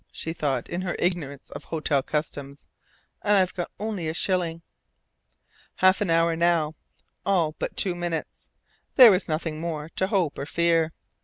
she thought in her ignorance of hotel customs. "And I've got only a shilling!" Half an hour now, all but two minutes! There was nothing more to hope or fear.